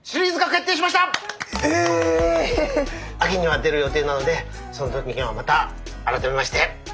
秋には出る予定なのでその時にはまた改めましてよろしくお願いします。